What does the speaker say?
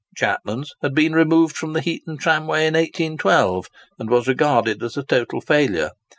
Chapman's had been removed from the Heaton tramway in 1812, and was regarded as a total failure.